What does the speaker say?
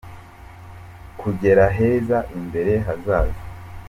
Kugera heza imbere hazaza.